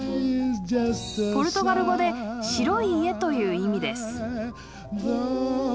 ポルトガル語で白い家という意味です。